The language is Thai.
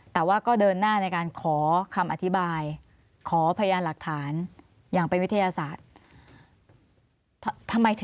แต่ว่าก็เดินหน้าในการขอคำอธิบายขอพยานหลักฐานอย่างเป็นวิทยาศาสตร์